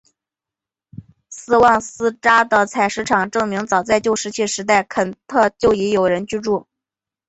斯旺斯扎的采石场证明早在旧石器时代肯特就已有人居住。